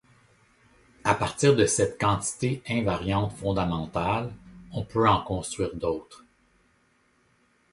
À partir de cette quantité invariante fondamentale on peut en construire d'autres.